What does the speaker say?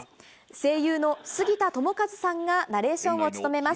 声優の杉田智和さんがナレーションを務めます。